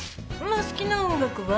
まあ好きな音楽は。